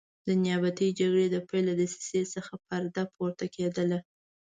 د نیابتي جګړې د پیل له دسیسې څخه پرده پورته کېدله.